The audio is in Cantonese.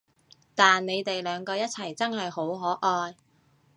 但你哋兩個一齊真係好可愛